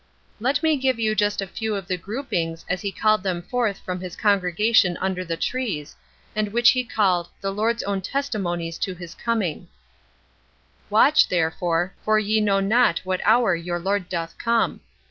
Let me give you just a few of the groupings as he called them forth from his congregation under the trees, and which he called "the Lord's own testimonies to his coming:" "Watch therefore, for ye know not what hour your Lord doth come."